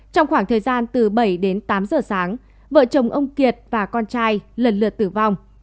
trong khoảng thời gian từ bảy đến tám giờ sáng vợ chồng ông kiệt và con trai lần lượt tử vong